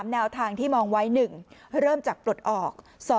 แนวทางที่มองไว้๑เริ่มจากปลดออก